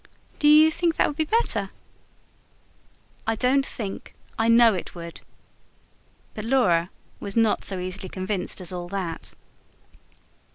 "Do you think that would be better?" "I don't think I know it would." But Laura was not so easily convinced as all that.